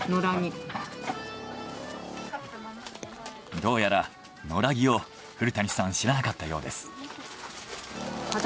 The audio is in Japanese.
どうやら野良着を古谷さん知らなかったようです。